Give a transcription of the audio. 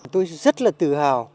tôi rất là tự hào